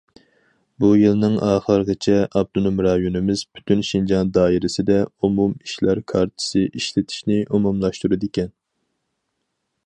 بۇ يىلنىڭ ئاخىرىغىچە، ئاپتونوم رايونىمىز پۈتۈن شىنجاڭ دائىرىسىدە ئومۇم ئىشلار كارتىسى ئىشلىتىشنى ئومۇملاشتۇرىدىكەن.